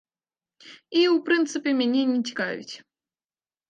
І, у прынцыпе, мяне не цікавіць.